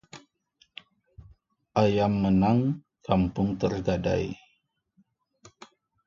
Ayam menang kampung tergadai